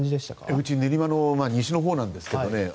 うち、練馬の西のほうなんですけどね。